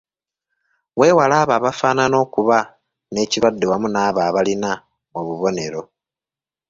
Weewale abo abafaanana okuba n’ekirwadde wamu n’abo abalina obubonero.